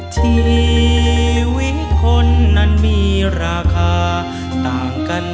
ชีวิตคนนั้นมีราคาต่างกัน